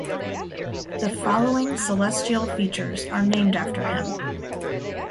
"The following celestial features are named after him:"